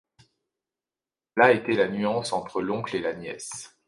Là était la nuance entre l’oncle et la nièce.